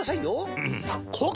うん！